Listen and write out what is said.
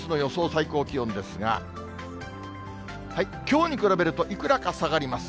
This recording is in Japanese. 最高気温ですが、きょうに比べると、いくらか下がります。